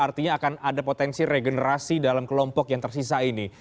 artinya akan ada potensi regenerasi dalam kelompok yang tersisa ini